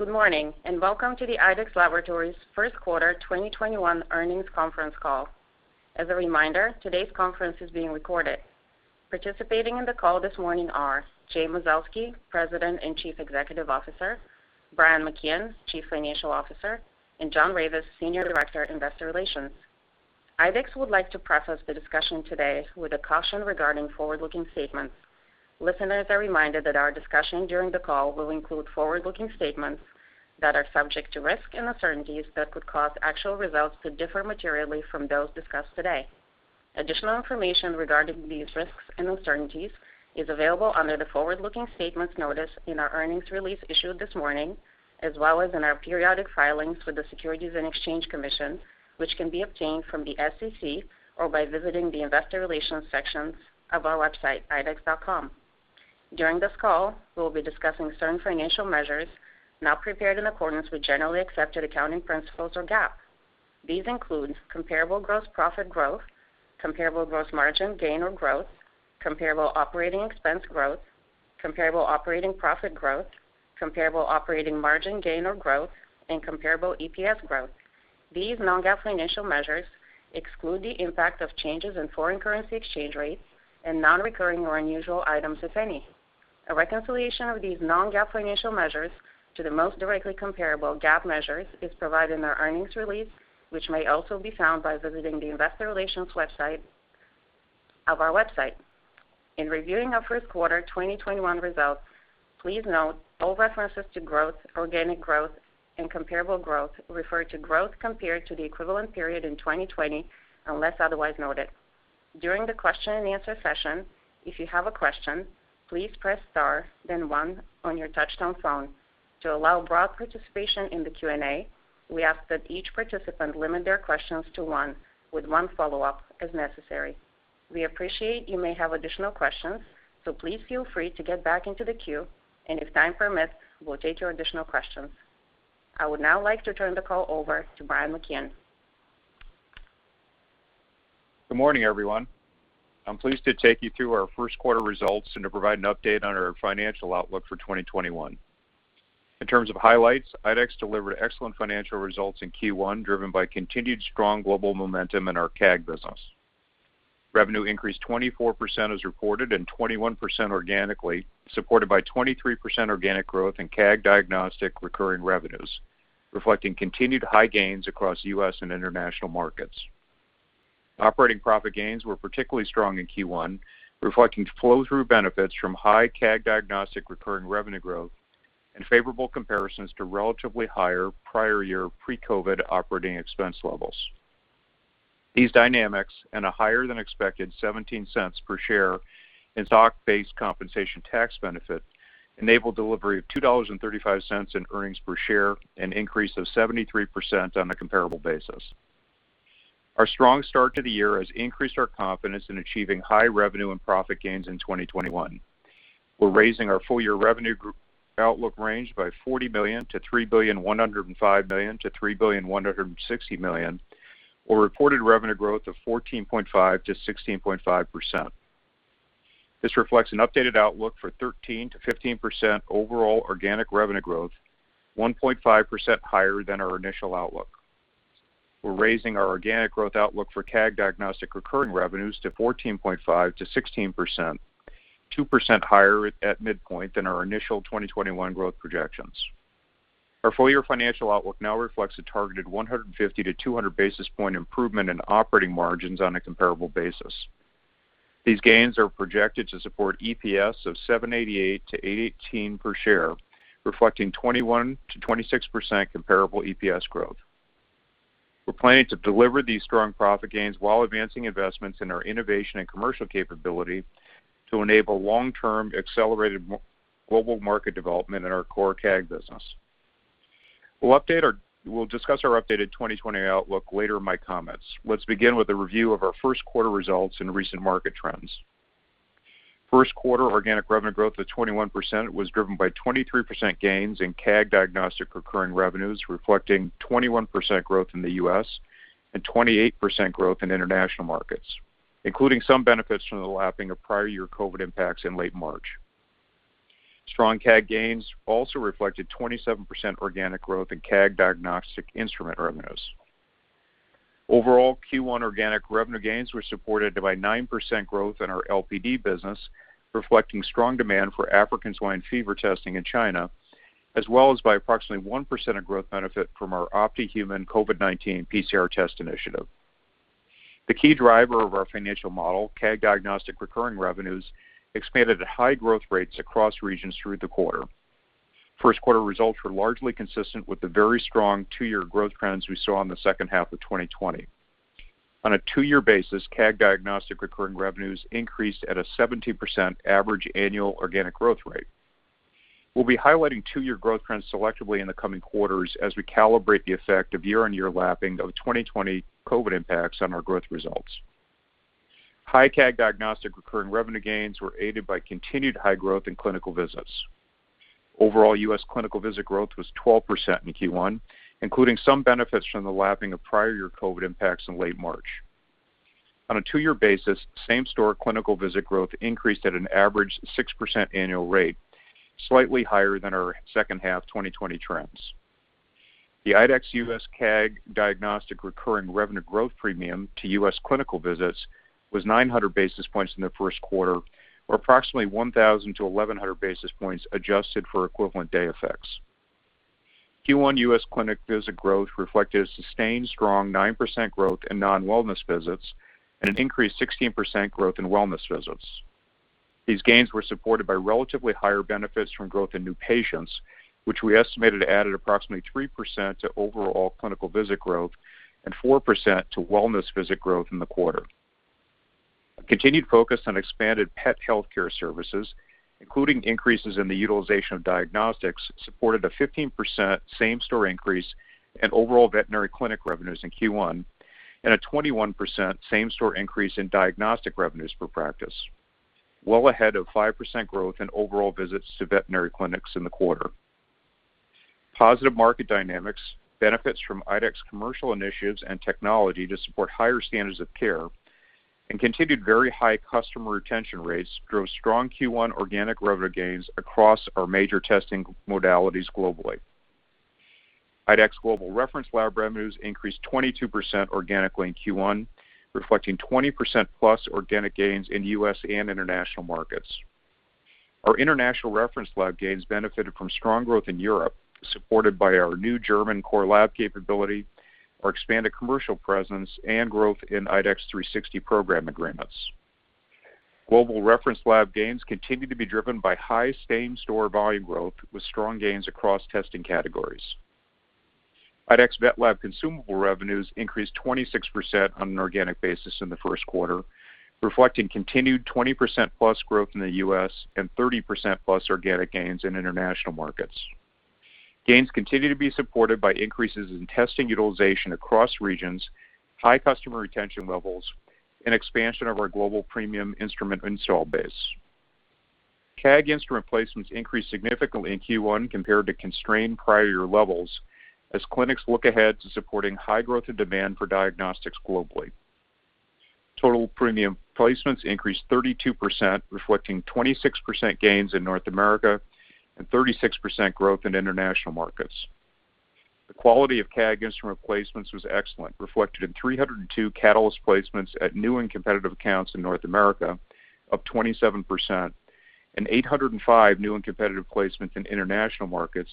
Good morning, and welcome to the IDEXX Laboratories first quarter 2021 earnings conference call. As a reminder, today's conference is being recorded. Participating in the call this morning are Jay Mazelsky, President and Chief Executive Officer; Brian McKeon, Chief Financial Officer; and John Ravis, Senior Director, Investor Relations. IDEXX would like to preface the discussion today with a caution regarding forward-looking statements. Listeners are reminded that our discussion during the call will include forward-looking statements that are subject to risks and uncertainties that could cause actual results to differ materially from those discussed today. Additional information regarding these risks and uncertainties is available under the Forward-Looking Statements notice in our earnings release issued this morning, as well as in our periodic filings with the Securities and Exchange Commission, which can be obtained from the SEC or by visiting the Investor Relations sections of our website, idexx.com. During this call, we will be discussing certain financial measures not prepared in accordance with generally accepted accounting principles or GAAP. These include comparable gross profit growth, comparable gross margin gain or growth, comparable operating expense growth, comparable operating profit growth, comparable operating margin gain or growth, and comparable EPS growth. These non-GAAP financial measures exclude the impact of changes in foreign currency exchange rates and non-recurring or unusual items, if any. A reconciliation of these non-GAAP financial measures to the most directly comparable GAAP measures is provided in our earnings release, which may also be found by visiting the Investor Relations website of our website. In reviewing our first quarter 2021 results, please note all references to growth, organic growth, and comparable growth refer to growth compared to the equivalent period in 2020, unless otherwise noted. During the question-and-answer session, if you have a question, please press star then one on your touch-tone phone. To allow broad participation in the Q&A, we ask that each participant limit their questions to one with one follow-up as necessary. We appreciate you may have additional questions, so please feel free to get back into the queue, and if time permits, we'll take your additional questions. I would now like to turn the call over to Brian McKeon. Good morning, everyone. I'm pleased to take you through our first quarter results and to provide an update on our financial outlook for 2021. In terms of highlights, IDEXX delivered excellent financial results in Q1, driven by continued strong global momentum in our CAG business. Revenue increased 24% as reported and 21% organically, supported by 23% organic growth in CAG Diagnostic recurring revenues, reflecting continued high gains across U.S. and international markets. Operating profit gains were particularly strong in Q1, reflecting flow-through benefits from high CAG Diagnostic recurring revenue growth and favorable comparisons to relatively higher prior year pre-COVID operating expense levels. A higher than expected $0.17 per share in stock-based compensation tax benefit enabled delivery of $2.35 in earnings per share, an increase of 73% on a comparable basis. Our strong start to the year has increased our confidence in achieving high revenue and profit gains in 2021. We're raising our full-year revenue group outlook range by $40 million to $3.105 billion-$3.16 billion, or reported revenue growth of 14.5%-16.5%. This reflects an updated outlook for 13%-15% overall organic revenue growth, 1.5% higher than our initial outlook. We're raising our organic growth outlook for CAG Diagnostic recurring revenues to 14.5%-16%, 2% higher at midpoint than our initial 2021 growth projections. Our full-year financial outlook now reflects a targeted 150-200 basis point improvement in operating margins on a comparable basis. These gains are projected to support EPS of $7.88-$8.18 per share, reflecting 21%-26% comparable EPS growth. We're planning to deliver these strong profit gains while advancing investments in our innovation and commercial capability to enable long-term accelerated global market development in our core CAG business. We'll discuss our updated 2020 outlook later in my comments. Let's begin with a review of our first quarter results and recent market trends. First quarter organic revenue growth of 21% was driven by 23% gains in CAG Diagnostic recurring revenues, reflecting 21% growth in the U.S. and 28% growth in international markets, including some benefits from the lapping of prior year COVID impacts in late March. Strong CAG gains also reflected 27% organic growth in CAG diagnostic instrument revenues. Overall, Q1 organic revenue gains were supported by 9% growth in our LPD business, reflecting strong demand for African swine fever testing in China, as well as by approximately 1% of growth benefit from our OPTI COVID-19 PCR test initiative. The key driver of our financial model, CAG Diagnostic recurring revenues, expanded at high growth rates across regions through the quarter. First quarter results were largely consistent with the very strong two-year growth trends we saw in the second half of 2020. On a two-year basis, CAG Diagnostic recurring revenues increased at a 70% average annual organic growth rate. We'll be highlighting two-year growth trends selectively in the coming quarters as we calibrate the effect of year-on-year lapping of 2020 COVID impacts on our growth results. High CAG Diagnostic recurring revenue gains were aided by continued high growth in clinical visits. Overall, U.S. clinical visit growth was 12% in Q1, including some benefits from the lapping of prior year COVID-19 impacts in late March. On a two-year basis, same-store clinical visit growth increased at an average 6% annual rate, slightly higher than our second half 2020 trends. The IDEXX U.S. CAG Diagnostic recurring revenues growth premium to U.S. clinical visits was 900 basis points in the first quarter, or approximately 1,000-1,100 basis points adjusted for equivalent day effects. Q1 U.S. clinic visit growth reflected sustained strong 9% growth in non-wellness visits and an increased 16% growth in wellness visits. These gains were supported by relatively higher benefits from growth in new patients, which we estimated added approximately 3% to overall clinical visit growth and 4% to wellness visit growth in the quarter. A continued focus on expanded pet healthcare services, including increases in the utilization of diagnostics, supported a 15% same-store increase in overall veterinary clinic revenues in Q1 and a 21% same-store increase in diagnostic revenues per practice, well ahead of 5% growth in overall visits to veterinary clinics in the quarter. Positive market dynamics, benefits from IDEXX commercial initiatives and technology to support higher standards of care and continued very high customer retention rates drove strong Q1 organic revenue gains across our major testing modalities globally. IDEXX Global Reference Lab revenues increased 22% organically in Q1, reflecting 20%+ organic gains in U.S. and international markets. Our international reference lab gains benefited from strong growth in Europe, supported by our new German core lab capability, our expanded commercial presence, and growth in IDEXX 360 program agreements. Global reference lab gains continue to be driven by high same-store volume growth with strong gains across testing categories. IDEXX VetLab consumable revenues increased 26% on an organic basis in the first quarter, reflecting continued 20%+ growth in the U.S. and 30%+ organic gains in international markets. Gains continue to be supported by increases in testing utilization across regions, high customer retention levels, and expansion of our global premium instrument install base. CAG instrument placements increased significantly in Q1 compared to constrained prior year levels as clinics look ahead to supporting high growth and demand for diagnostics globally. Total premium placements increased 32%, reflecting 26% gains in North America and 36% growth in international markets. The quality of CAG instrument placements was excellent, reflected in 302 Catalyst placements at new and competitive accounts in North America, up 27%, and 805 new and competitive placements in international markets,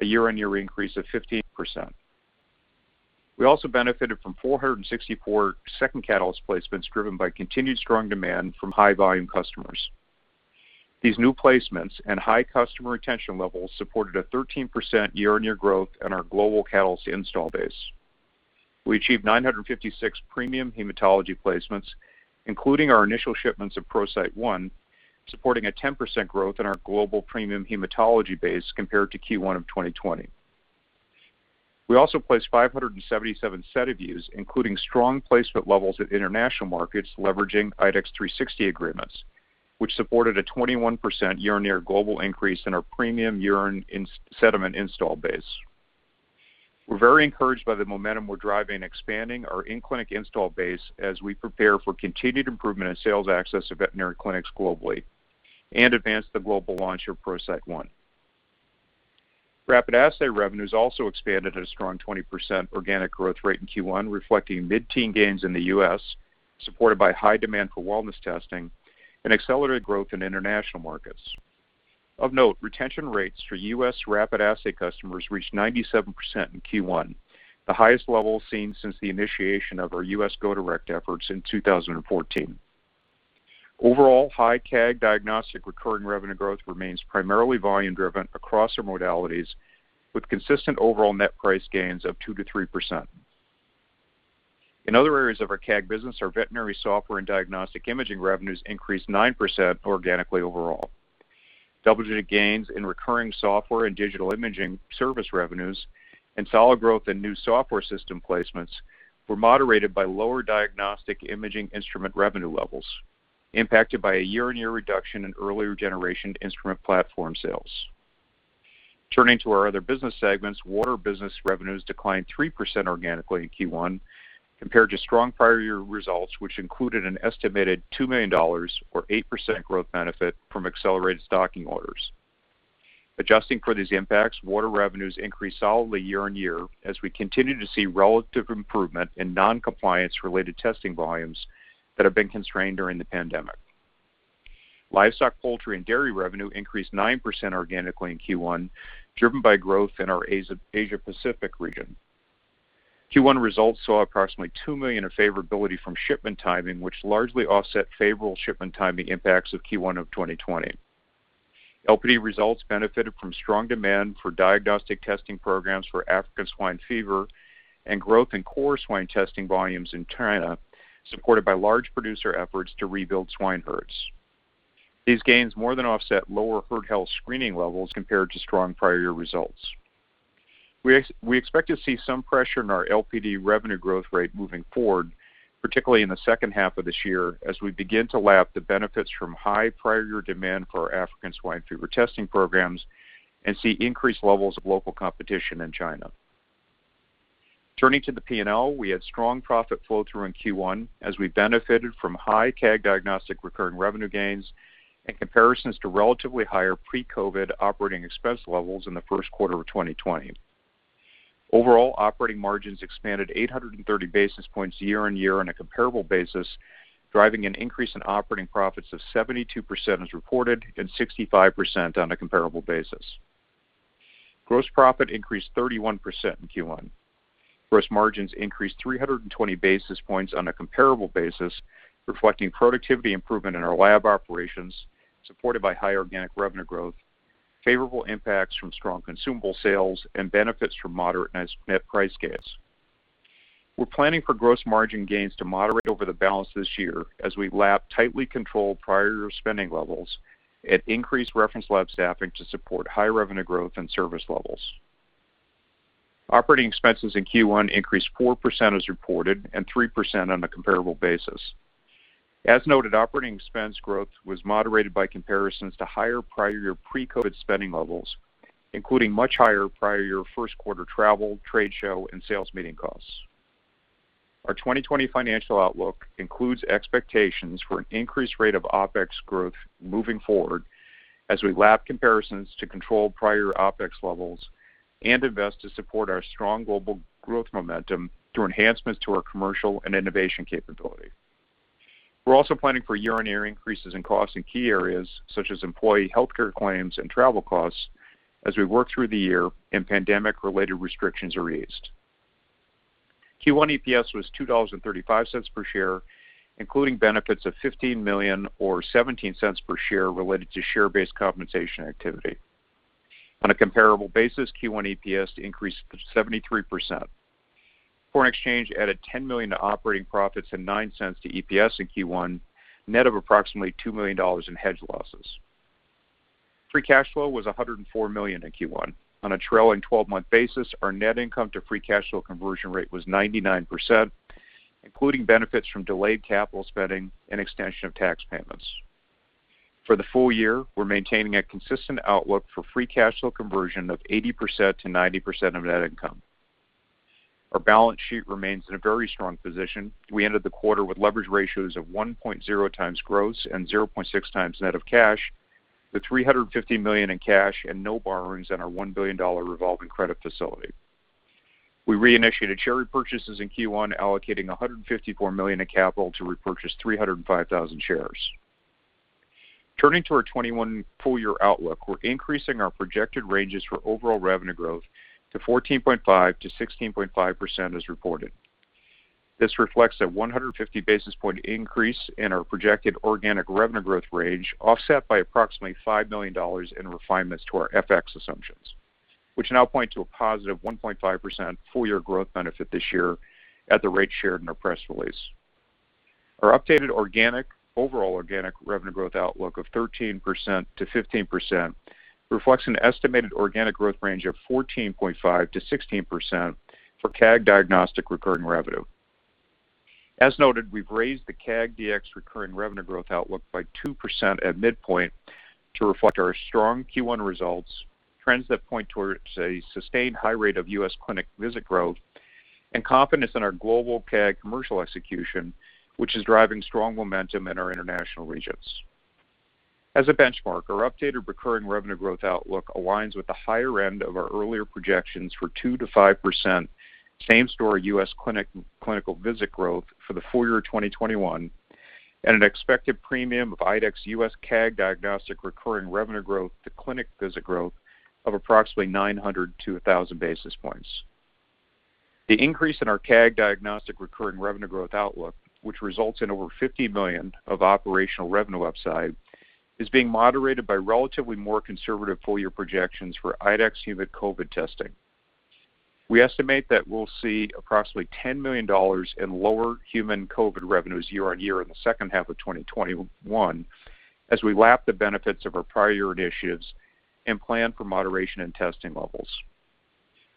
a year-on-year increase of 15%. We also benefited from 464 second Catalyst placements driven by continued strong demand from high-volume customers. These new placements and high customer retention levels supported a 13% year-on-year growth in our global Catalyst install base. We achieved 956 premium hematology placements, including our initial shipments of ProCyte One, supporting a 10% growth in our global premium hematology base compared to Q1 of 2020. We also placed 577 SediVues, including strong placement levels at international markets leveraging IDEXX 360 agreements, which supported a 21% year-over-year global increase in our premium urine sediment install base. We're very encouraged by the momentum we're driving expanding our in-clinic install base as we prepare for continued improvement in sales access to veterinary clinics globally and advance the global launch of ProCyte One. Rapid assay revenues also expanded at a strong 20% organic growth rate in Q1, reflecting mid-teen gains in the U.S., supported by high demand for wellness testing and accelerated growth in international markets. Of note, retention rates for U.S. rapid assay customers reached 97% in Q1, the highest level seen since the initiation of our U.S. go-direct efforts in 2014. Overall, high CAG Diagnostic recurring revenue growth remains primarily volume-driven across our modalities with consistent overall net price gains of 2%-3%. In other areas of our CAG business, our veterinary software and diagnostic imaging revenues increased 9% organically overall. Double-digit gains in recurring software and digital imaging service revenues and solid growth in new software system placements were moderated by lower diagnostic imaging instrument revenue levels, impacted by a year-on-year reduction in earlier generation instrument platform sales. Turning to our other business segments, water business revenues declined 3% organically in Q1 compared to strong prior year results, which included an estimated $2 million or 8% growth benefit from accelerated stocking orders. Adjusting for these impacts, water revenues increased solidly year-on-year as we continue to see relative improvement in non-compliance related testing volumes that have been constrained during the pandemic. Livestock, poultry, and dairy revenue increased 9% organically in Q1, driven by growth in our Asia-Pacific region. Q1 results saw approximately $2 million in favorability from shipment timing, which largely offset favorable shipment timing impacts of Q1 of 2020. LPD results benefited from strong demand for diagnostic testing programs for African swine fever and growth in core swine testing volumes in China, supported by large producer efforts to rebuild swine herds. These gains more than offset lower herd health screening levels compared to strong prior year results. We expect to see some pressure in our LPD revenue growth rate moving forward, particularly in the second half of this year, as we begin to lap the benefits from high prior year demand for our African swine fever testing programs and see increased levels of local competition in China. Turning to the P&L, we had strong profit flow-through in Q1 as we benefited from high CAG Diagnostic recurring revenues gains and comparisons to relatively higher pre-COVID operating expense levels in the first quarter of 2020. Overall, operating margins expanded 830 basis points year-on-year on a comparable basis, driving an increase in operating profits of 72% as reported and 65% on a comparable basis. Gross profit increased 31% in Q1. Gross margins increased 320 basis points on a comparable basis, reflecting productivity improvement in our lab operations, supported by higher organic revenue growth, favorable impacts from strong consumable sales, and benefits from moderate net price gains. We're planning for gross margin gains to moderate over the balance this year as we lap tightly controlled prior year spending levels and increase reference lab staffing to support higher revenue growth and service levels. Operating expenses in Q1 increased 4% as reported, and 3% on a comparable basis. As noted, operating expense growth was moderated by comparisons to higher prior year pre-COVID spending levels, including much higher prior year first quarter travel, trade show, and sales meeting costs. Our 2020 financial outlook includes expectations for an increased rate of OpEx growth moving forward as we lap comparisons to controlled prior OpEx levels and invest to support our strong global growth momentum through enhancements to our commercial and innovation capability. We're also planning for year-on-year increases in costs in key areas such as employee healthcare claims and travel costs as we work through the year and pandemic-related restrictions are eased. Q1 EPS was $2.35 per share, including benefits of $15 million or $0.17 per share related to share-based compensation activity. On a comparable basis, Q1 EPS increased 73%. Foreign exchange added $10 million to operating profits and $0.09 to EPS in Q1, net of approximately $2 million in hedge losses. Free cash flow was $104 million in Q1. On a trailing twelve-month basis, our net income to free cash flow conversion rate was 99%, including benefits from delayed capital spending and extension of tax payments. For the full year, we're maintaining a consistent outlook for free cash flow conversion of 80%-90% of net income. Our balance sheet remains in a very strong position. We ended the quarter with leverage ratios of 1.0x gross and 0.6x net of cash, with $350 million in cash and no borrowings on our $1 billion revolving credit facility. We reinitiated share repurchases in Q1, allocating $154 million in capital to repurchase 305,000 shares. Turning to our 2021 full-year outlook, we're increasing our projected ranges for overall revenue growth to 14.5%-16.5% as reported. This reflects a 150 basis point increase in our projected organic revenue growth range, offset by approximately $5 million in refinements to our FX assumptions, which now point to a +1.5% full-year growth benefit this year at the rate shared in our press release. Our overall organic revenue growth outlook of 13%-15% reflects an estimated organic growth range of 14.5%-16% for CAG Diagnostic recurring revenue. As noted, we've raised the CAG Dx recurring revenue growth outlook by 2% at midpoint to reflect our strong Q1 results, trends that point towards a sustained high rate of U.S. clinic visit growth, and confidence in our global CAG commercial execution, which is driving strong momentum in our international regions. As a benchmark, our updated recurring revenue growth outlook aligns with the higher end of our earlier projections for 2%-5% same-store U.S. clinical visit growth for the full year 2021 and an expected premium of IDEXX's U.S. CAG Diagnostic recurring revenue growth to clinic visit growth of approximately 900-1,000 basis points. The increase in our CAG Diagnostic recurring revenue growth outlook, which results in over $50 million of operational revenue upside, is being moderated by relatively more conservative full-year projections for IDEXX human COVID testing. We estimate that we'll see approximately $10 million in lower human COVID revenues year-over-year in the second half of 2021 as we lap the benefits of our prior year initiatives and plan for moderation in testing levels.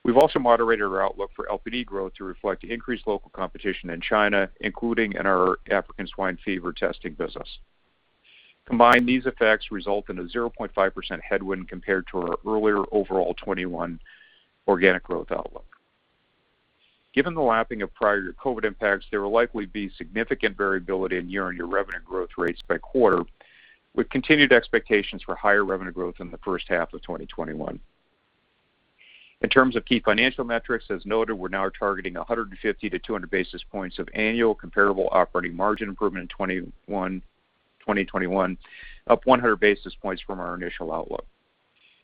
We've also moderated our outlook for LPD growth to reflect increased local competition in China, including in our African swine fever testing business. Combined, these effects result in a 0.5% headwind compared to our earlier overall 2021 organic growth outlook. Given the lapping of prior year COVID impacts, there will likely be significant variability in year-on-year revenue growth rates by quarter, with continued expectations for higher revenue growth in the first half of 2021. In terms of key financial metrics, as noted, we're now targeting 150-200 basis points of annual comparable operating margin improvement in 2021, up 100 basis points from our initial outlook.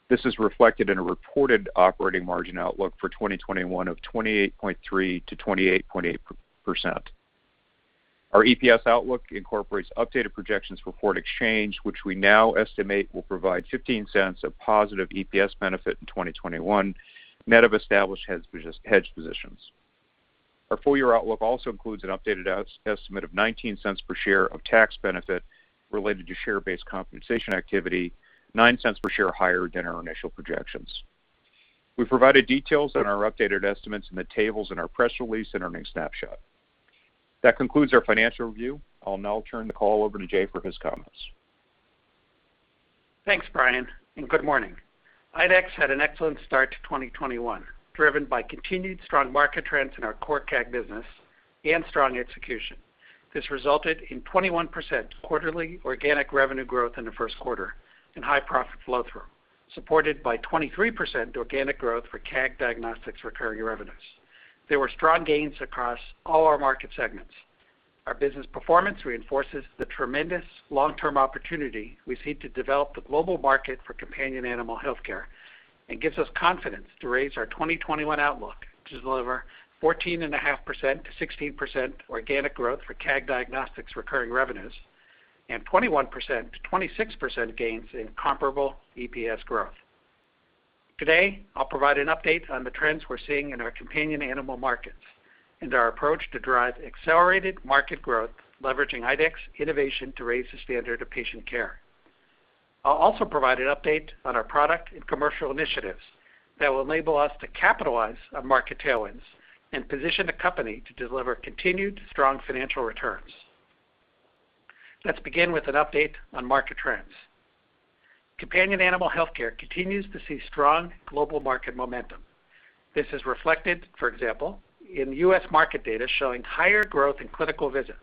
This is reflected in a reported operating margin outlook for 2021 of 28.3%-28.8%. Our EPS outlook incorporates updated projections for foreign exchange, which we now estimate will provide $0.15 of positive EPS benefit in 2021, net of established hedge positions. Our full-year outlook also includes an updated estimate of $0.19 per share of tax benefit related to share-based compensation activity, $0.09 per share higher than our initial projections. We've provided details on our updated estimates in the tables in our press release and earnings snapshot. That concludes our financial review. I'll now turn the call over to Jay for his comments. Thanks, Brian, and good morning. IDEXX had an excellent start to 2021, driven by continued strong market trends in our core CAG business and strong execution. This resulted in 21% quarterly organic revenue growth in the first quarter and high profit flow through, supported by 23% organic growth for CAG Diagnostic recurring revenues. There were strong gains across all our market segments. Our business performance reinforces the tremendous long-term opportunity we see to develop the global market for companion animal healthcare and gives us confidence to raise our 2021 outlook to deliver 14.5%-16% organic growth for CAG Diagnostic recurring revenues and 21%-26% gains in comparable EPS growth. Today, I'll provide an update on the trends we're seeing in our companion animal markets and our approach to drive accelerated market growth, leveraging IDEXX innovation to raise the standard of patient care. I'll also provide an update on our product and commercial initiatives that will enable us to capitalize on market tailwinds and position the company to deliver continued strong financial returns. Let's begin with an update on market trends. Companion animal healthcare continues to see strong global market momentum. This is reflected, for example, in U.S. market data showing higher growth in clinical visits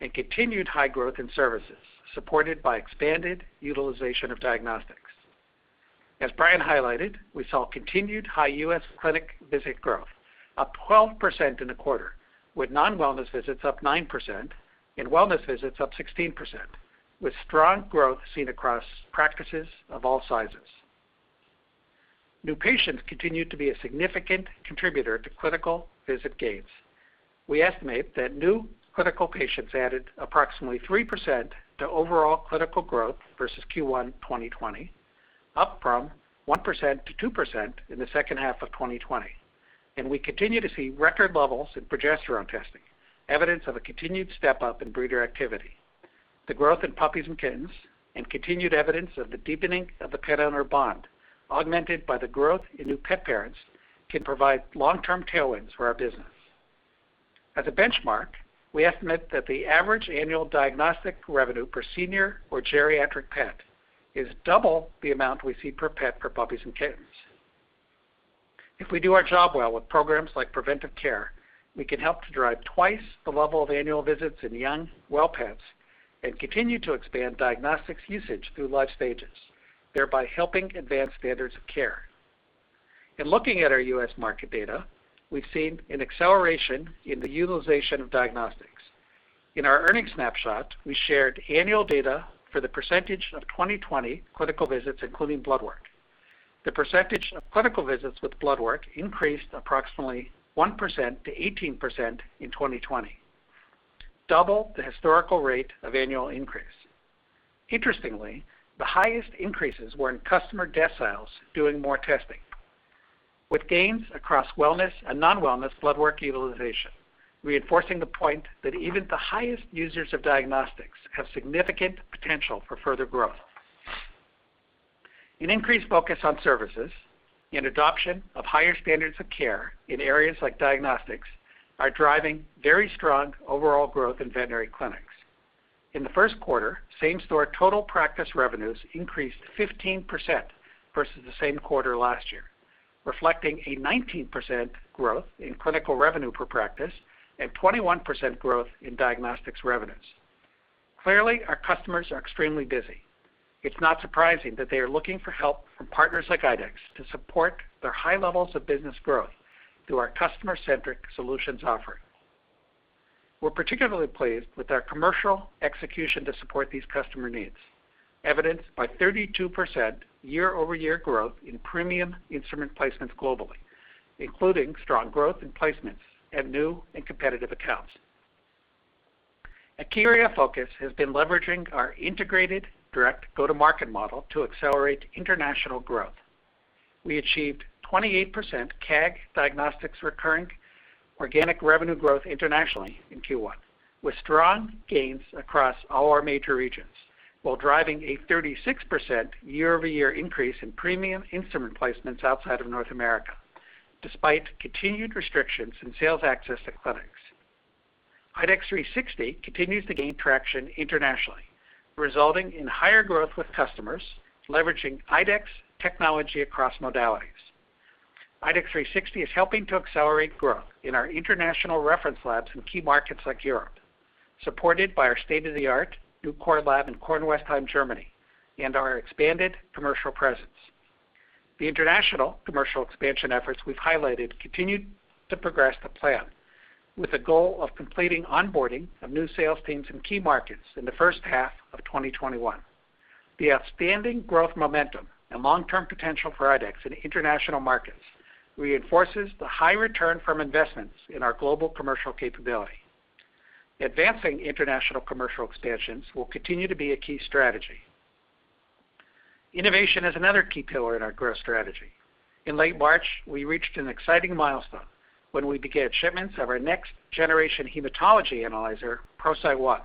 and continued high growth in services, supported by expanded utilization of diagnostics. As Brian highlighted, we saw continued high U.S. clinic visit growth, up 12% in the quarter, with non-wellness visits up 9% and wellness visits up 16%, with strong growth seen across practices of all sizes. New patients continued to be a significant contributor to clinical visit gains. We estimate that new clinical patients added approximately 3% to overall clinical growth versus Q1 2020, up from 1%-2% in the second half of 2020. We continue to see record levels in progesterone testing, evidence of a continued step up in breeder activity. The growth in puppies and kittens and continued evidence of the deepening of the pet owner bond, augmented by the growth in new pet parents, can provide long-term tailwinds for our business. As a benchmark, we estimate that the average annual diagnostic revenue per senior or geriatric pet is double the amount we see per pet for puppies and kittens. If we do our job well with programs like Preventive Care, we can help to drive twice the level of annual visits in young, well pets and continue to expand diagnostics usage through life stages, thereby helping advance standards of care. In looking at our U.S. market data, we've seen an acceleration in the utilization of diagnostics. In our earnings snapshot, we shared annual data for the percentage of 2020 clinical visits, including blood work. The percentage of clinical visits with blood work increased approximately 1% to 18% in 2020, double the historical rate of annual increase. Interestingly, the highest increases were in customer deciles doing more testing. With gains across wellness and non-wellness blood work utilization, reinforcing the point that even the highest users of diagnostics have significant potential for further growth. An increased focus on services and adoption of higher standards of care in areas like diagnostics are driving very strong overall growth in veterinary clinics. In the first quarter, same-store total practice revenues increased 15% versus the same quarter last year, reflecting a 19% growth in clinical revenue per practice and 21% growth in diagnostics revenues. Clearly, our customers are extremely busy. It's not surprising that they are looking for help from partners like IDEXX to support their high levels of business growth through our customer-centric solutions offering. We're particularly pleased with our commercial execution to support these customer needs, evidenced by 32% year-over-year growth in premium instrument placements globally, including strong growth in placements at new and competitive accounts. A key area of focus has been leveraging our integrated direct go-to-market model to accelerate international growth. We achieved 28% CAG Diagnostics recurring organic revenue growth internationally in Q1, with strong gains across all our major regions, while driving a 36% year-over-year increase in premium instrument placements outside of North America, despite continued restrictions in sales access to clinics. IDEXX 360 continues to gain traction internationally, resulting in higher growth with customers leveraging IDEXX technology across modalities. IDEXX 360 is helping to accelerate growth in our international reference labs in key markets like Europe, supported by our state-of-the-art new core lab in Kornwestheim, Germany, and our expanded commercial presence. The international commercial expansion efforts we've highlighted continued to progress to plan, with the goal of completing onboarding of new sales teams in key markets in the first half of 2021. The outstanding growth momentum and long-term potential for IDEXX in international markets reinforces the high return from investments in our global commercial capability. Advancing international commercial expansions will continue to be a key strategy. Innovation is another key pillar in our growth strategy. In late March, we reached an exciting milestone when we began shipments of our next-generation hematology analyzer, ProCyte One.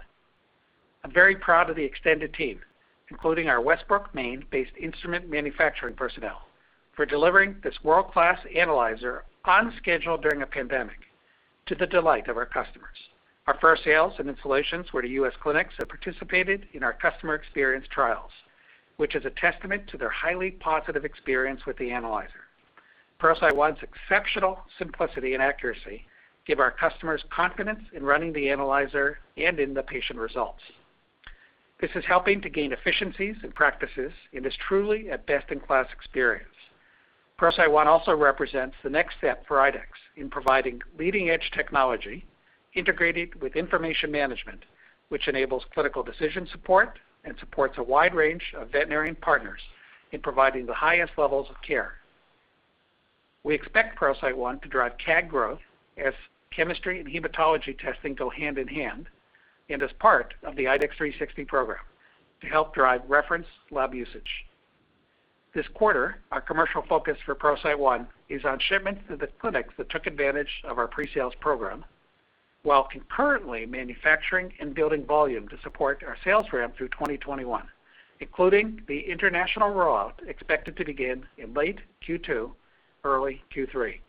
I'm very proud of the extended team, including our Westbrook, Maine-based instrument manufacturing personnel, for delivering this world-class analyzer on schedule during a pandemic. To the delight of our customers. Our first sales and installations were to U.S. clinics that participated in our customer experience trials, which is a testament to their highly positive experience with the analyzer. ProCyte One's exceptional simplicity and accuracy give our customers confidence in running the analyzer and in the patient results. This is helping to gain efficiencies in practices and is truly a best-in-class experience. ProCyte One also represents the next step for IDEXX in providing leading-edge technology integrated with information management, which enables clinical decision support and supports a wide range of veterinarian partners in providing the highest levels of care. We expect ProCyte One to drive CAG growth as chemistry and hematology testing go hand in hand and as part of the IDEXX 360 program to help drive reference lab usage. This quarter, our commercial focus for ProCyte One is on shipments to the clinics that took advantage of our pre-sales program, while concurrently manufacturing and building volume to support our sales ramp through 2021, including the international rollout expected to begin in late Q2, early Q3.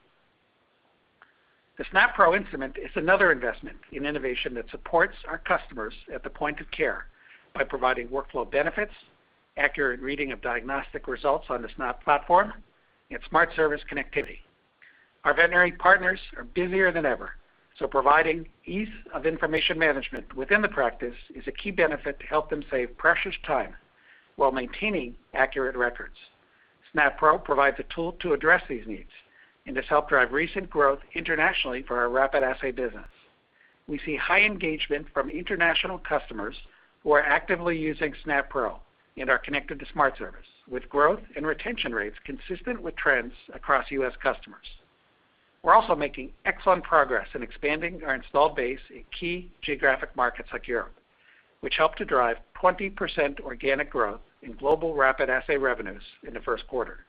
The SNAP Pro instrument is another investment in innovation that supports our customers at the point of care by providing workflow benefits, accurate reading of diagnostic results on the SNAP platform, and SmartService connectivity. Our veterinary partners are busier than ever, so providing ease of information management within the practice is a key benefit to help them save precious time while maintaining accurate records. SNAP Pro provides a tool to address these needs, and has helped drive recent growth internationally for our rapid assay business. We see high engagement from international customers who are actively using SNAP Pro and are connected to SmartService, with growth and retention rates consistent with trends across U.S. customers. We're also making excellent progress in expanding our installed base in key geographic markets like Europe, which helped to drive 20% organic growth in global rapid assay revenues in the first quarter.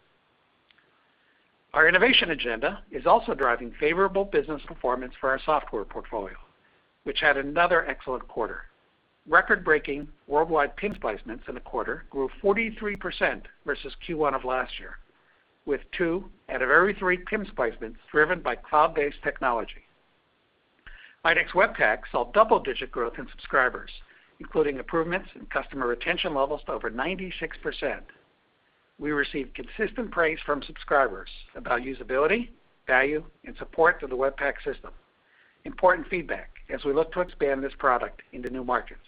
Our innovation agenda is also driving favorable business performance for our software portfolio, which had another excellent quarter. Record-breaking worldwide PIMS placements in the quarter grew 43% versus Q1 of last year, with two out of every three PIMS placements driven by cloud-based technology. IDEXX Web PACS saw double-digit growth in subscribers, including improvements in customer retention levels to over 96%. We received consistent praise from subscribers about usability, value, and support of the Web PACS system. Important feedback as we look to expand this product into new markets.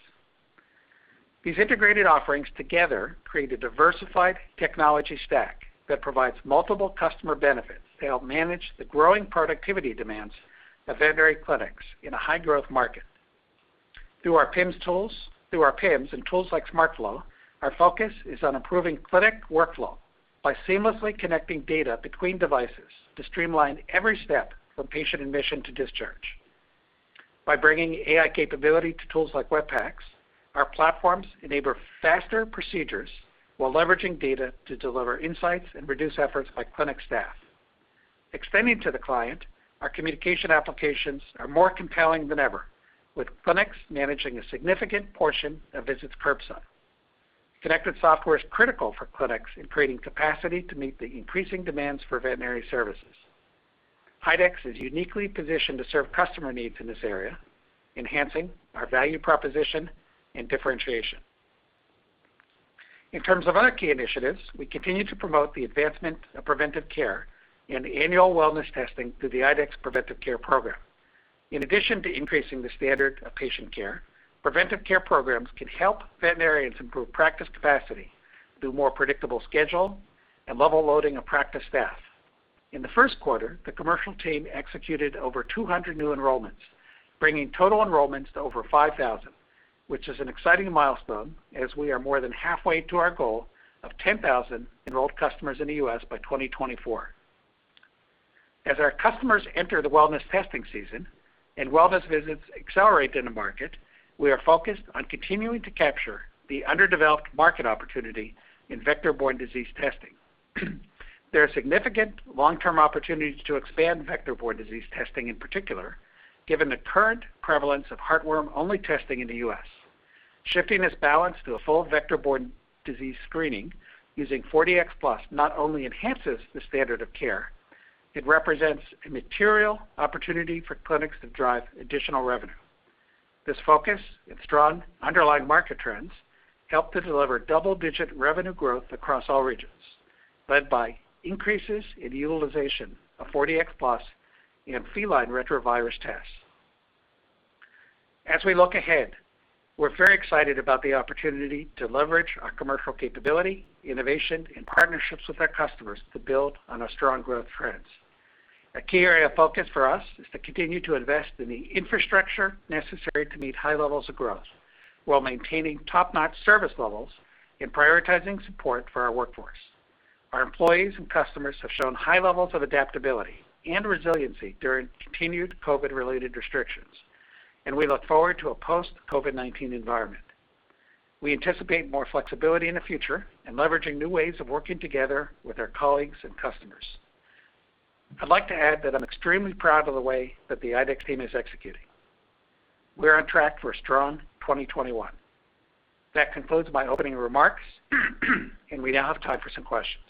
These integrated offerings together create a diversified technology stack that provides multiple customer benefits to help manage the growing productivity demands of veterinary clinics in a high-growth market. Through our PIMS and tools like Smart Flow, our focus is on improving clinic workflow by seamlessly connecting data between devices to streamline every step from patient admission to discharge. By bringing AI capability to tools like Web PACS, our platforms enable faster procedures while leveraging data to deliver insights and reduce efforts by clinic staff. Extending to the client, our communication applications are more compelling than ever, with clinics managing a significant portion of visits curbside. Connected software is critical for clinics in creating capacity to meet the increasing demands for veterinary services. IDEXX is uniquely positioned to serve customer needs in this area, enhancing our value proposition and differentiation. In terms of our key initiatives, we continue to promote the advancement of preventive care and annual wellness testing through the IDEXX Preventive Care program. In addition to increasing the standard of patient care, preventive care programs can help veterinarians improve practice capacity through more predictable schedule and level loading of practice staff. In the first quarter, the commercial team executed over 200 new enrollments, bringing total enrollments to over 5,000, which is an exciting milestone as we are more than halfway to our goal of 10,000 enrolled customers in the U.S. by 2024. As our customers enter the wellness testing season and wellness visits accelerate in the market, we are focused on continuing to capture the underdeveloped market opportunity in vector-borne disease testing. There are significant long-term opportunities to expand vector-borne disease testing in particular, given the current prevalence of heartworm-only testing in the U.S. Shifting this balance to a full vector-borne disease screening using 4Dx Plus not only enhances the standard of care, it represents a material opportunity for clinics to drive additional revenue. This focus and strong underlying market trends helped to deliver double-digit revenue growth across all regions, led by increases in utilization of 4Dx Plus in feline retrovirus tests. As we look ahead, we're very excited about the opportunity to leverage our commercial capability, innovation, and partnerships with our customers to build on our strong growth trends. A key area of focus for us is to continue to invest in the infrastructure necessary to meet high levels of growth while maintaining top-notch service levels and prioritizing support for our workforce. Our employees and customers have shown high levels of adaptability and resiliency during continued COVID-related restrictions, and we look forward to a post-COVID-19 environment. We anticipate more flexibility in the future and leveraging new ways of working together with our colleagues and customers. I'd like to add that I'm extremely proud of the way that the IDEXX team is executing. We're on track for a strong 2021. That concludes my opening remarks, and we now have time for some questions.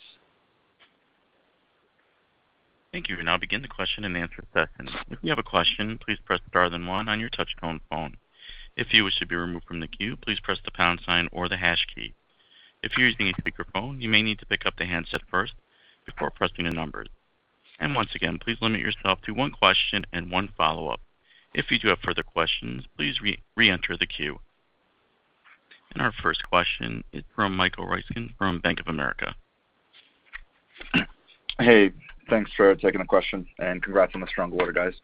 Thank you. We'll now begin the question and answer session. If you have a question, please press star then one on your touchtone phone. If you wish to be removed from the queue, please press the pound sign or the hash key. If you're using a speakerphone, you may need to pick up the handset first before pressing the numbers. Once again, please limit yourself to one question and one follow-up. If you do have further questions, please reenter the queue. Our first question is from Michael Ryskin from Bank of America. Hey, thanks for taking the question and congrats on the strong quarter, guys.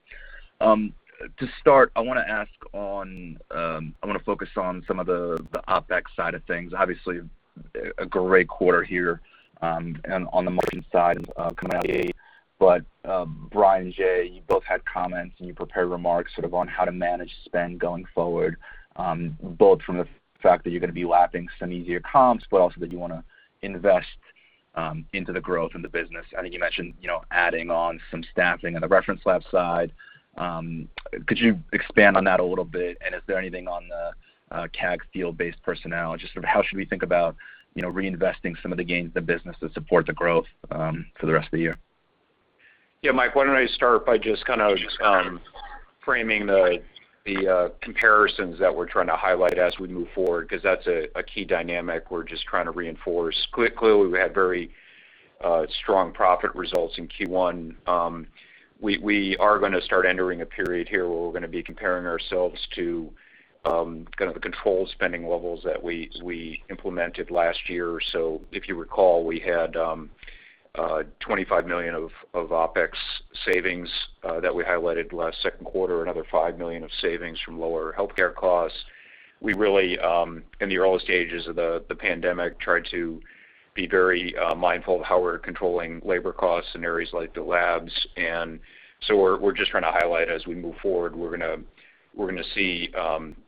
To start, I wanna ask on, I wanna focus on some of the OpEx side of things. Obviously, a great quarter here, and on the margin side, coming out of COVID. Brian, Jay, you both had comments in your prepared remarks sort of on how to manage spend going forward, both from the fact that you're gonna be lapping some easier comps, but also that you wanna invest into the growth in the business. I think you mentioned, you know, adding on some staffing on the reference lab side. Could you expand on that a little bit? Is there anything on the CAG field-based personnel? Just sort of how should we think about, you know, reinvesting some of the gains in the business to support the growth for the rest of the year? Mike, why don't I start by just kind of framing the comparisons that we're trying to highlight as we move forward, 'cause that's a key dynamic we're just trying to reinforce. Clearly, we had very strong profit results in Q1. We are gonna start entering a period here where we're gonna be comparing ourselves to kind of the controlled spending levels that we implemented last year. If you recall, we had $25 million of OpEx savings that we highlighted last second quarter, another $5 million of savings from lower healthcare costs. We really in the earliest stages of the pandemic, tried to be very mindful of how we're controlling labor costs in areas like the labs. We're just trying to highlight as we move forward, we're gonna see,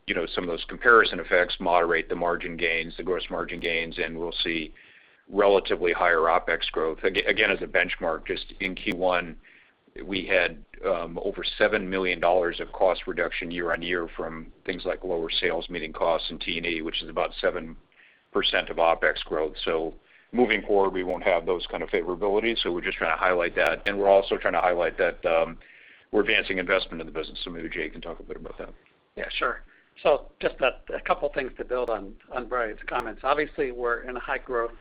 you know, some of those comparison effects moderate the margin gains, the gross margin gains, and we'll see relatively higher OpEx growth. Again, as a benchmark, just in Q1, we had over $7 million of cost reduction year-over-year from things like lower sales meeting costs and T&E, which is about 7% of OpEx growth. Moving forward, we won't have those kind of favorabilities, so we're just trying to highlight that. We're also trying to highlight that we're advancing investment in the business, so maybe Jay can talk a bit about that. Yeah, sure. Just a couple things to build on Brian's comments. Obviously, we're in a high-growth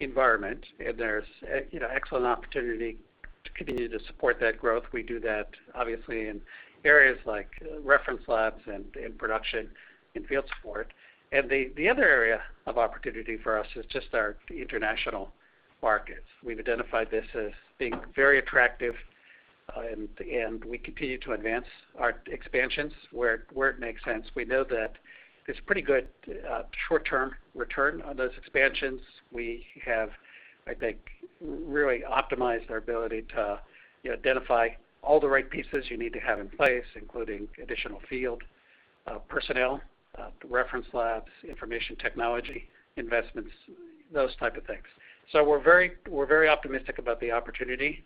environment, and there's you know, excellent opportunity to continue to support that growth. We do that obviously in areas like reference labs and in production, in field support. The other area of opportunity for us is just our international markets. We've identified this as being very attractive, and we continue to advance our expansions where it makes sense. We know that there's pretty good short-term return on those expansions. We have, I think, really optimized our ability to, you know, identify all the right pieces you need to have in place, including additional field personnel, reference labs, information technology investments, those type of things. We're very optimistic about the opportunity,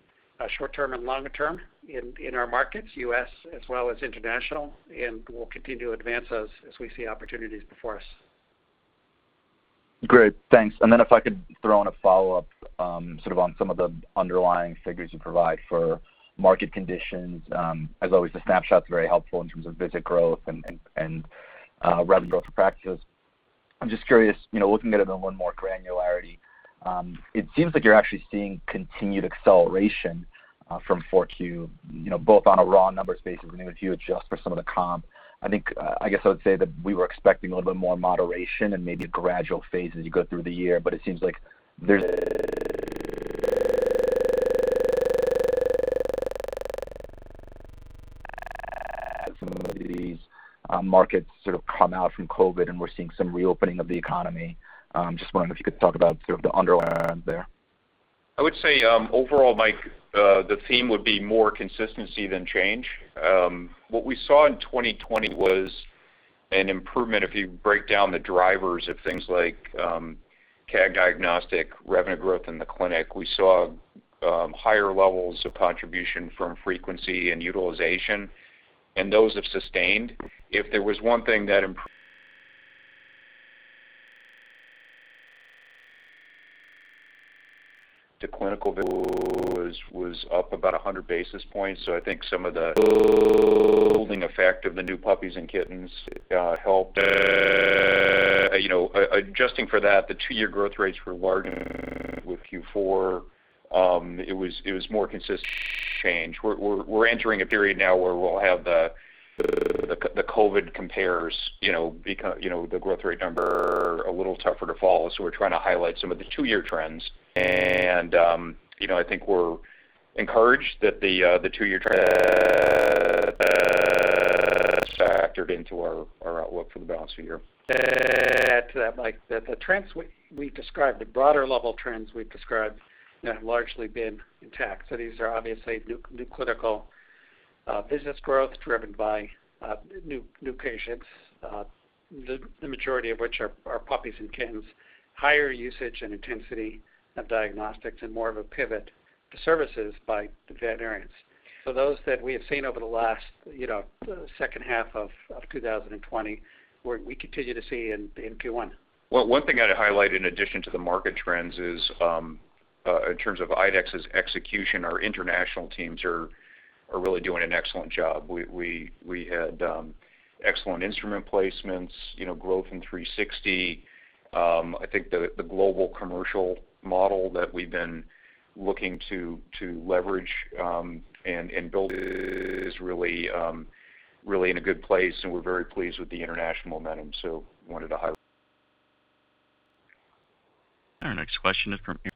short term and longer term in our markets, U.S. as well as international, and we'll continue to advance those as we see opportunities before us. Great. Thanks. If I could throw in a follow-up, sort of on some of the underlying figures you provide for market conditions. As always, the snapshot's very helpful in terms of visit growth and rev growth for practices. I'm just curious, you know, looking at it in one more granularity, it seems like you're actually seeing continued acceleration from Q4, you know, both on a raw numbers basis and even if you adjust for some of the comp. I think, I guess I would say that we were expecting a little bit more moderation and maybe a gradual phase as you go through the year, but it seems like there's markets sort of come out from COVID, and we're seeing some reopening of the economy. Just wondering if you could talk about sort of the underlying trends there. I would say, overall, Mike, the theme would be more consistency than change. What we saw in 2020 was an improvement, if you break down the drivers of things like, CAG diagnostic, revenue growth in the clinic. We saw higher levels of contribution from frequency and utilization, and those have sustained. If there was one thing that The clinical was up about 100 basis points, so I think some of the effect of the new puppies and kittens helped. You know, adjusting for that, the two-year growth rates were largely with Q4. It was more consistent change. We're entering a period now where we'll have the COVID compares, you know, the growth rate number a little tougher to follow, so we're trying to highlight some of the two-year trends. You know, I think we're encouraged that the two-year trend factored into our outlook for the balance of the year. To add to that, Mike, the trends we described, the broader level trends we've described have largely been intact. These are obviously new clinical business growth driven by new patients, the majority of which are puppies and kittens, higher usage and intensity of diagnostics and more of a pivot to services by the veterinarians. Those that we have seen over the last, you know, second half of 2020, we continue to see in Q1. Well, one thing I'd highlight in addition to the market trends is, in terms of IDEXX's execution, our international teams are really doing an excellent job. We had excellent instrument placements, you know, growth in IDEXX 360. I think the global commercial model that we've been looking to leverage and build is really in a good place, and we're very pleased with the international momentum. Our next question is from Erin.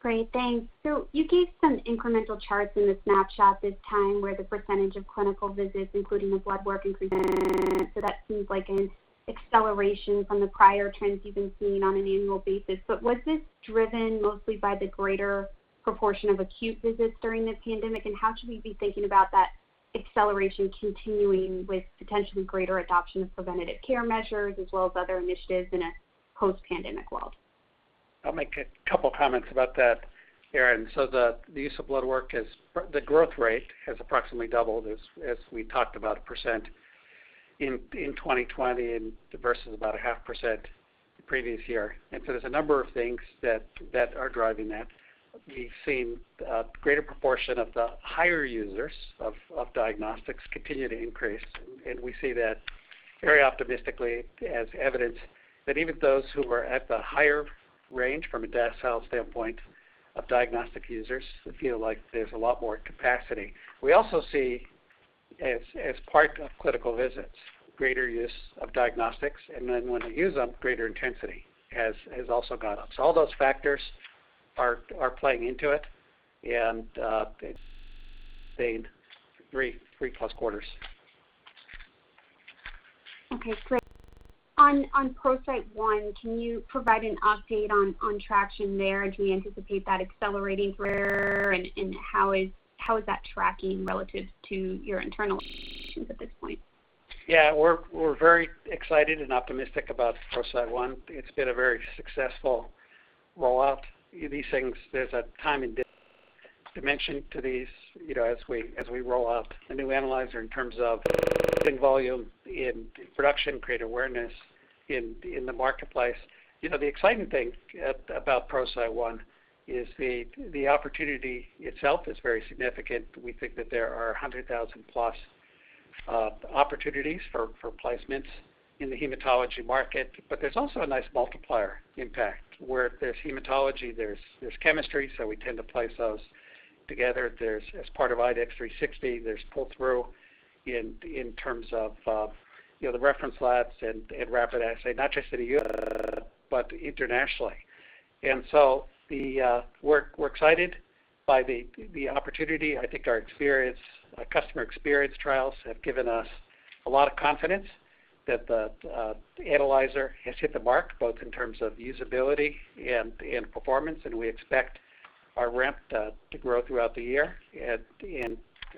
Great. Thanks. You gave some incremental charts in the snapshot this time where the percentage of clinical visits, including the blood work, increased. But was this driven mostly by the greater proportion of acute visits during this pandemic, and how should we be thinking about that acceleration continuing with potentially greater adoption of Preventive Care measures as well as other initiatives in a post-pandemic world? I'll make a couple comments about that, Erin. The use of blood work the growth rate has approximately doubled as we talked about 1% in 2020 versus about a 0.5% The previous year. There's a number of things that are driving that. We've seen a greater proportion of the higher users of diagnostics continue to increase, and we see that very optimistically as evidence that even those who are at the higher range from a decile standpoint of diagnostic users feel like there's a lot more capacity. We also see as part of clinical visits, greater use of diagnostics, and then when they use them, greater intensity has also gone up. All those factors are playing into it and they've stayed 3+ quarters. Okay, great. On ProCyte One, can you provide an update on traction there? Do we anticipate that accelerating further, and how is that tracking relative to your internal expectations at this point? Yeah. We're very excited and optimistic about ProCyte One. It's been a very successful rollout. These things, there's a time and dimension to these, you know, as we roll out a new analyzer in terms of building volume in production, create awareness in the marketplace. You know, the exciting thing about ProCyte One is the opportunity itself is very significant. We think that there are 100,000-plus opportunities for placements in the hematology market. There's also a nice multiplier impact where there's hematology, there's chemistry, so we tend to place those together. There's, as part of IDEXX 360, there's pull-through in terms of, you know, the reference labs and rapid assay, not just in the U.S., but internationally. We're excited by the opportunity. I think our experience, our customer experience trials have given us a lot of confidence that the analyzer has hit the mark, both in terms of usability and performance, and we expect our ramp to grow throughout the year and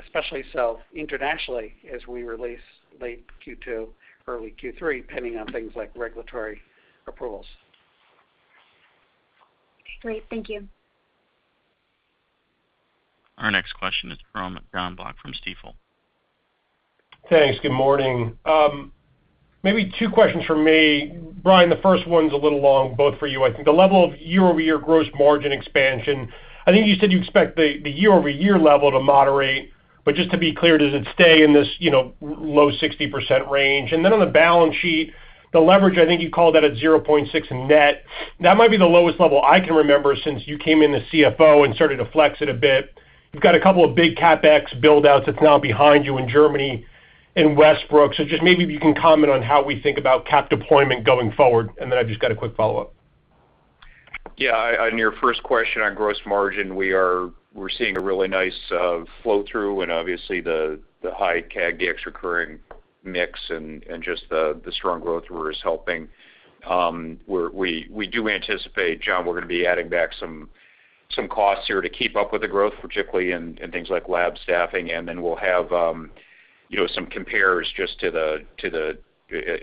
especially so internationally as we release late Q2, early Q3, depending on things like regulatory approvals. Great. Thank you. Our next question is from Jon Block from Stifel. Thanks. Good morning. Maybe two questions from me. Brian, the first one's a little long, both for you, I think. The level of year-over-year gross margin expansion, I think you said you expect the year-over-year level to moderate, but just to be clear, does it stay in this, you know, low 60% range? Then on the balance sheet, the leverage, I think you called that at 0.6 in net. That might be the lowest level I can remember since you came in as CFO and started to flex it a bit. You've got a couple of big CapEx build-outs that's now behind you in Germany and Westbrook. Just maybe if you can comment on how we think about cap deployment going forward, then I've just got a quick follow-up. Yeah. On your first question on gross margin, we're seeing a really nice flow-through and obviously the high CAG Dx recurring mix and just the strong growth we're is helping. We do anticipate, Jon, we're gonna be adding back some costs here to keep up with the growth, particularly in things like lab staffing, and then we'll have, you know, some compares just to the, to the,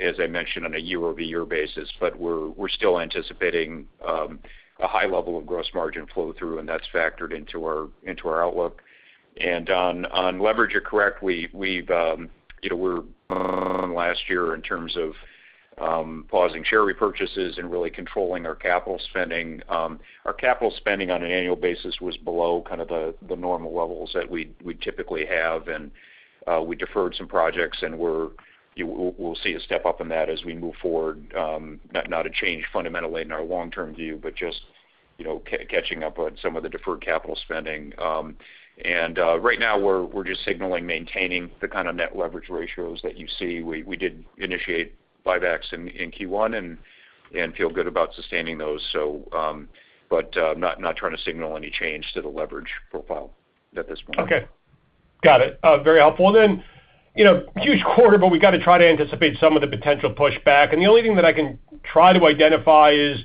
as I mentioned, on a year-over-year basis. We're still anticipating a high level of gross margin flow-through, and that's factored into our outlook. On leverage, you're correct. We've, you know, we're last year in terms of pausing share repurchases and really controlling our capital spending. Our capital spending on an annual basis was below kind of the normal levels that we'd typically have, and we deferred some projects and we'll see a step-up in that as we move forward. Not a change fundamentally in our long-term view, but just, you know, catching up on some of the deferred capital spending. Right now we're just signaling maintaining the kind of net leverage ratios that you see. We did initiate buybacks in Q1 and feel good about sustaining those, so, but not trying to signal any change to the leverage profile at this point. Okay. Got it. Very helpful. You know, huge quarter, but we got to try to anticipate some of the potential pushback, and the only thing that I can try to identify is,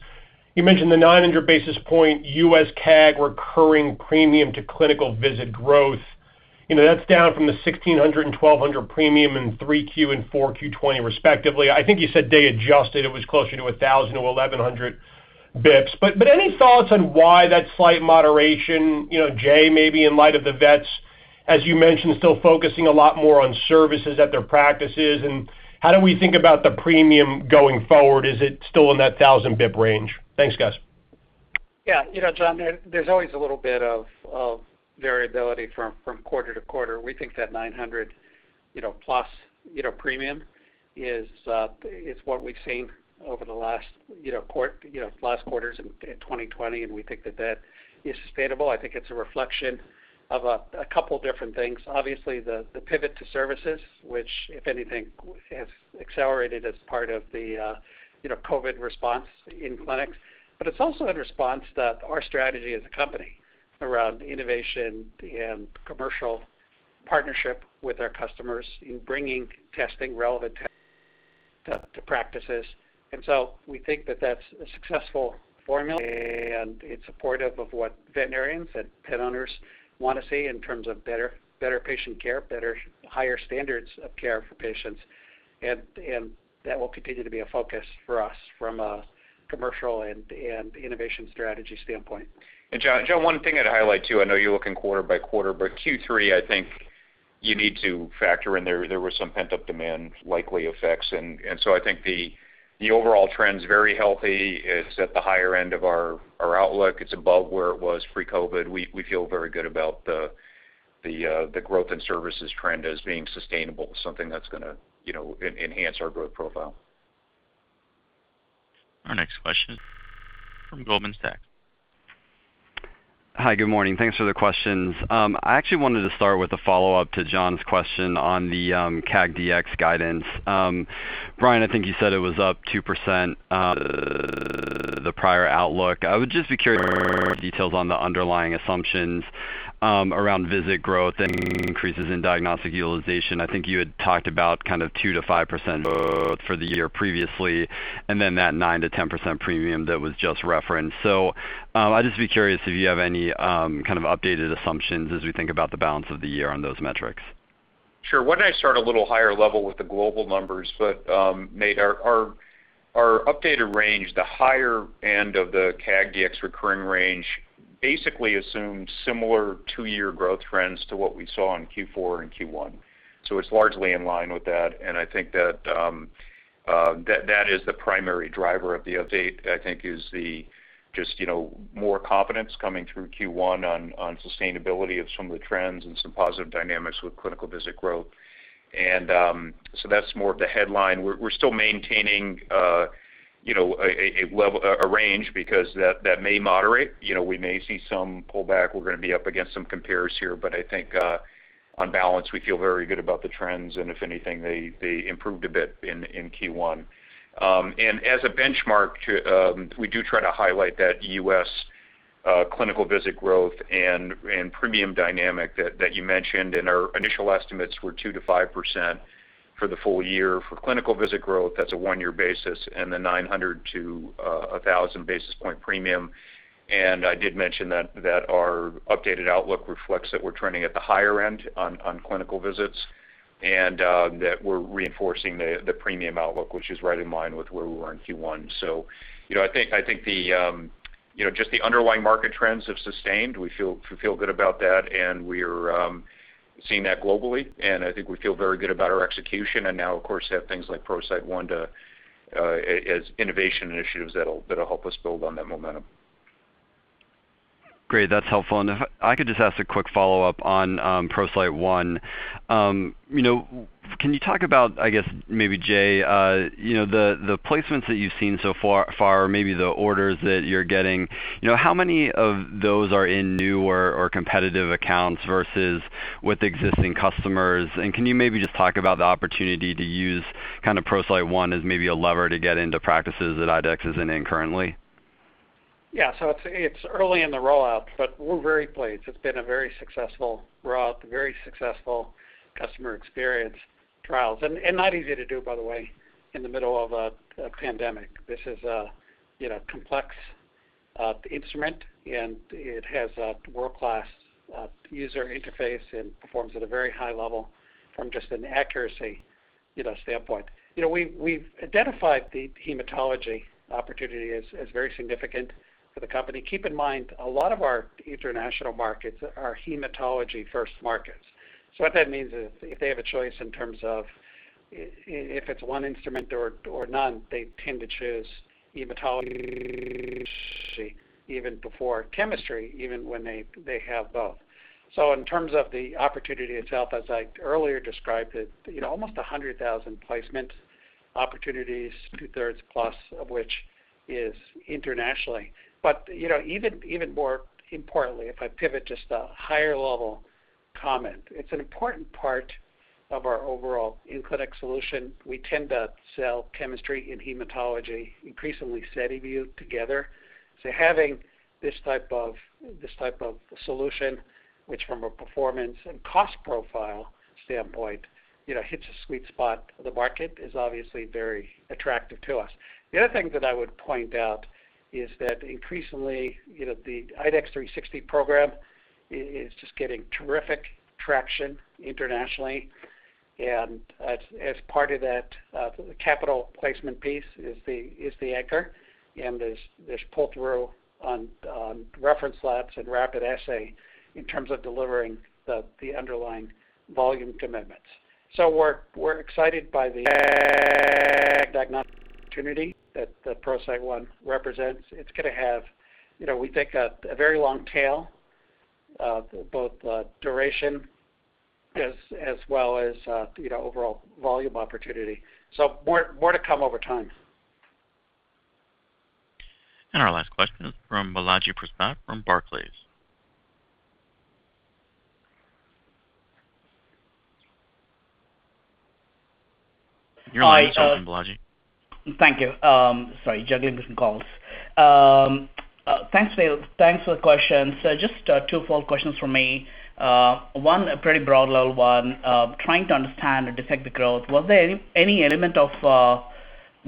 you mentioned the 900 basis points U.S. CAG recurring premium to clinical visit growth. You know, that's down from the 1,600 and 1,200 premium in 3Q and Q4 2020 respectively. I think you said they adjusted, it was closer to 1,000 or 1,100 BPS. Any thoughts on why that slight moderation, you know, Jay, maybe in light of the vets, as you mentioned, still focusing a lot more on services at their practices. How do we think about the premium going forward? Is it still in that 1,000 BP range? Thanks, guys. Yeah. You know, Jon, there's always a little bit of variability from quarter-to-quarter. We think that 900 plus premium is what we've seen over the last quarters in 2020, and we think that that is sustainable. I think it's a reflection of a couple different things. Obviously, the pivot to services, which, if anything, has accelerated as part of the COVID response in clinics. It's also in response that our strategy as a company around innovation and commercial partnership with our customers in bringing testing, relevant tech to practices. We think that that's a successful formula, and it's supportive of what veterinarians and pet owners wanna see in terms of better patient care, higher standards of care for patients. That will continue to be a focus for us from a commercial and innovation strategy standpoint. Jon, one thing I'd highlight too, I know you're looking quarter-by-quarter, Q3, I think you need to factor in there was some pent-up demand likely effects. I think the overall trend's very healthy. It's at the higher end of our outlook. It's above where it was pre-COVID. We feel very good about the growth in services trend as being sustainable, something that's gonna, you know, enhance our growth profile. Our next question from Goldman Sachs. Hi, good morning. Thanks for the questions. I actually wanted to start with a follow-up to Jon's question on the CAG Dx guidance. Brian, I think you said it was up 2%, the prior outlook. I would just be curious more details on the underlying assumptions around visit growth and increases in diagnostic utilization. I think you had talked about kind of 2%-5% growth for the year previously, and then that 9%-10% premium that was just referenced. I'd just be curious if you have any kind of updated assumptions as we think about the balance of the year on those metrics. Sure. Why don't I start a little higher level with the global numbers, but Nate, our updated range, the higher end of the CAG Dx recurring range basically assumes similar two-year growth trends to what we saw in Q4 and Q1. It's largely in line with that, and I think that is the primary driver of the update, I think is the just, you know, more confidence coming through Q1 on sustainability of some of the trends and some positive dynamics with clinical visit growth. That's more of the headline. We're still maintaining, you know, a level a range because that may moderate. You know, we may see some pullback. We're gonna be up against some compares here. I think on balance, we feel very good about the trends, and if anything, they improved a bit in Q1. As a benchmark to, we do try to highlight that U.S. clinical visit growth and premium dynamic that you mentioned, and our initial estimates were 2% to 5% for the full year. For clinical visit growth, that's a one-year basis and the 900 to 1,000 basis point premium. I did mention that our updated outlook reflects that we're trending at the higher end on clinical visits and that we're reinforcing the premium outlook, which is right in line with where we were in Q1. You know, I think the, you know, just the underlying market trends have sustained. We feel good about that, and we're seeing that globally, and I think we feel very good about our execution and now, of course, have things like ProCyte One to as innovation initiatives that'll help us build on that momentum. Great. That's helpful. If I could just ask a quick follow-up on ProCyte One. You know, can you talk about, I guess maybe Jay, you know, the placements that you've seen so far, maybe the orders that you're getting. You know, how many of those are in new or competitive accounts versus with existing customers? Can you maybe just talk about the opportunity to use kinda ProCyte One as maybe a lever to get into practices that IDEXX isn't in currently? Yeah. It's early in the rollout, but we're very pleased. It's been a very successful rollout, very successful customer experience trials, and not easy to do, by the way, in the middle of a pandemic. This is a, you know, complex instrument, and it has a world-class user interface and performs at a very high level from just an accuracy, you know, standpoint. You know, we've identified the hematology opportunity as very significant for the company. Keep in mind, a lot of our international markets are hematology-first markets. What that means is if they have a choice in terms of if it's one instrument or none, they tend to choose hematology even before chemistry, even when they have both. In terms of the opportunity itself, as I earlier described it, you know, almost 100,000 placement opportunities, two-thirds plus of which is internationally. You know, even more importantly, if I pivot just a higher-level comment, it's an important part of our overall in-clinic solution. We tend to sell chemistry and hematology increasingly selling them together. Having this type of solution, which from a performance and cost profile standpoint, you know, hits a sweet spot for the market, is obviously very attractive to us. The other thing that I would point out is that increasingly, you know, the IDEXX 360 program is just getting terrific traction internationally. As part of that capital placement piece is the anchor, and there's pull-through on reference labs and rapid assay in terms of delivering the underlying volume commitments. We're excited by the diagnostic opportunity that the ProCyte One represents. It's gonna have, you know, we think a very long tail, both duration as well as, you know, overall volume opportunity. More to come over time. Our last question is from Balaji Prasad from Barclays. You're on mute, Balaji. Hi. Thank you. Sorry, juggling with some calls. Thanks, Phil. Thanks for the questions. Just two follow questions from me. One, a pretty broad level 1, trying to understand or detect the growth. Was there any element of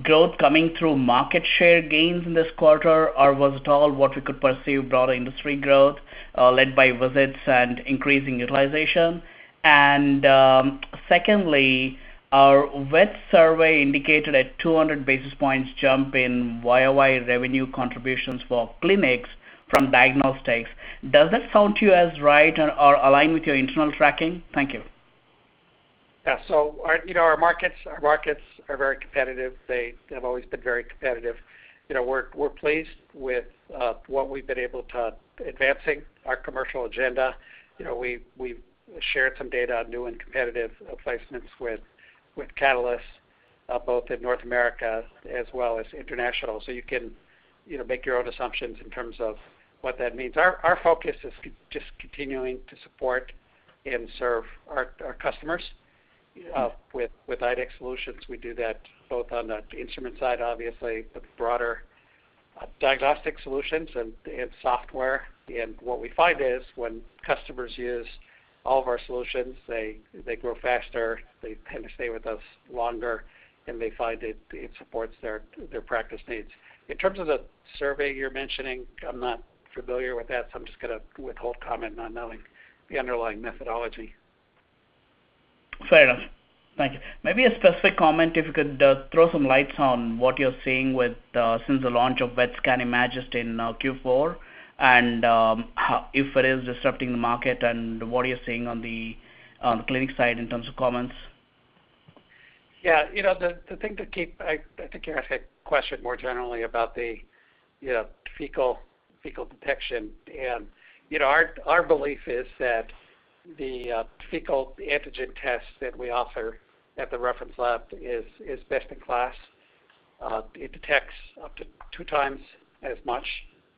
growth coming through market share gains in this quarter? Or was it all what we could perceive broader industry growth, led by visits and increasing utilization? Secondly, our web survey indicated a 200 basis points jump in YOY revenue contributions for clinics from diagnostics. Does that sound to you as right or aligned with your internal tracking? Thank you. Our, you know, our markets are very competitive. They have always been very competitive. You know, we're pleased with what we've been able to advancing our commercial agenda. You know, we've shared some data on new and competitive placements with Catalysts both in North America as well as international. You can, you know, make your own assumptions in terms of what that means. Our focus is just continuing to support and serve our customers with IDEXX solutions. We do that both on the instrument side, obviously, but broader diagnostic solutions and software. What we find is when customers use all of our solutions, they grow faster, they tend to stay with us longer, and they find it supports their practice needs. In terms of the survey you're mentioning, I'm not familiar with that. I'm just gonna withhold comment not knowing the underlying methodology. Fair enough. Thank you. Maybe a specific comment, if you could throw some lights on what you're seeing with since the launch of VETSCAN IMAGYST in Q4, and if it is disrupting the market, and what are you seeing on the clinic side in terms of comments? Yeah. You know, the thing to keep, I think you're asking a question more generally about the, you know, fecal detection. You know, our belief is that the fecal antigen test that we offer at the reference lab is best in class. It detects up to 2x as much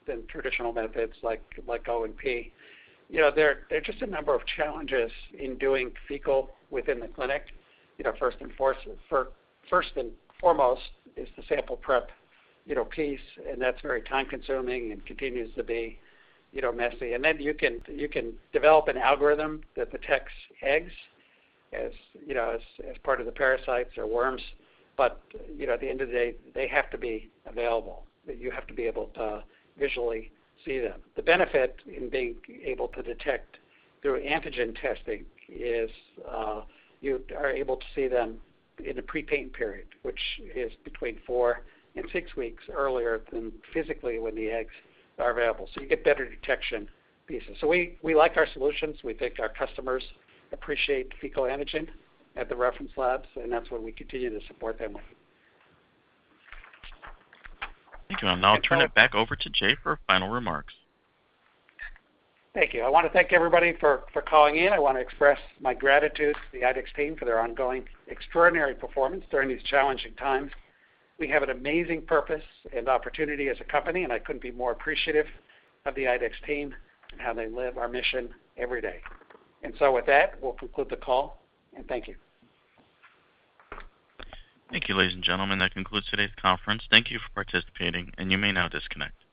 than traditional methods like O&P. You know, there are just a number of challenges in doing fecal within the clinic. You know, first and foremost is the sample prep, you know, piece, and that's very time-consuming and continues to be, you know, messy. You can develop an algorithm that detects eggs as, you know, as part of the parasites or worms. You know, at the end of the day, they have to be available. You have to be able to visually see them. The benefit in being able to detect through antigen testing is, you are able to see them in the prepatent period, which is between four and six weeks earlier than physically when the eggs are available. You get better detection pieces. We like our solutions. We think our customers appreciate fecal antigen at the reference labs, and that's where we continue to support them with. Thank you. I'll turn it back over to Jay for final remarks. Thank you. I want to thank everybody for calling in. I want to express my gratitude to the IDEXX team for their ongoing extraordinary performance during these challenging times. We have an amazing purpose and opportunity as a company. I couldn't be more appreciative of the IDEXX team and how they live our mission every day. With that, we'll conclude the call, and thank you. Thank you, ladies and gentlemen. That concludes today's conference. Thank you for participating. You may now disconnect.